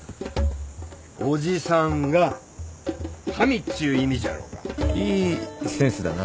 おじさんが神っちゅう意味じゃろが。いいセンスだな。